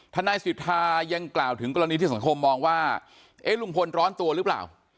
ทนายสิทธายังกล่าวถึงกรณีที่สังคมมองว่าเอ๊ะลุงพลร้อนตัวหรือเปล่า